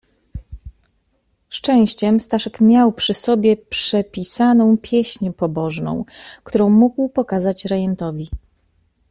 "Szczęściem, Staszek miał przy sobie przepisaną pieśń pobożną, którą mógł pokazać rejentowi."